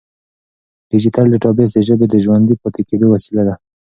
ډیجیټل ډیټابیس د ژبې د ژوندي پاتې کېدو وسیله ده.